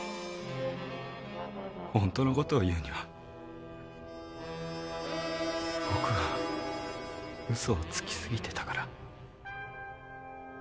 本当のことを言うには僕が嘘をつきすぎてたから。